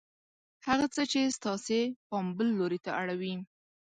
هغه څه چې ستاسې پام بل لور ته اړوي